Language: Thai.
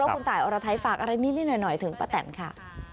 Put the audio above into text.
คุณตายอรไทยฝากอะไรนิดหน่อยถึงป้าแตนค่ะ